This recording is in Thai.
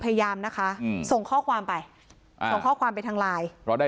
พยายามนะคะอืมส่งข้อความไปอ่าส่งข้อความไปทางไลน์เราได้